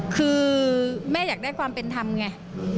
คือแม่อยากได้ความเป็นธรรมไง